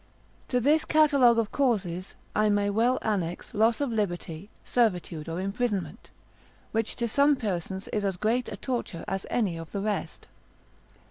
To this catalogue of causes, I may well annex loss of liberty, servitude, or imprisonment, which to some persons is as great a torture as any of the rest.